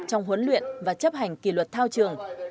trong huấn luyện và chấp hành kỷ luật thao trường